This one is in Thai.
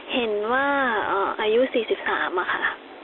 เห็นว่าอายุ๔๓ค่ะ